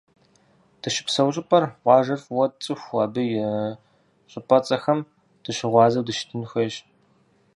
Дыщыпсэу щӏыпӏэр, къуажэр фӏыуэ тцӏыхуу, абы и щӏыпӏэцӏэхэм дыщыгъуазэу дыщытын хуейщ.